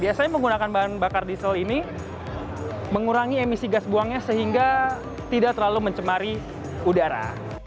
biasanya menggunakan bahan bakar diesel ini mengurangi emisi gas buangnya sehingga tidak terlalu mencemari udara